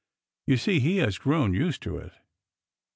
You see he has grown used to it.